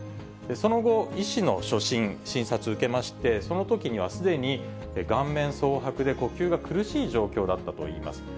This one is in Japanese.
その後、医師の初診、診察受けまして、そのときにはすでに顔面そう白で呼吸が苦しい状況だったといいます。